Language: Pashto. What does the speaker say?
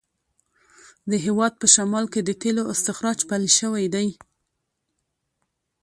د هیواد په شمال کې د تېلو استخراج پیل شوی دی.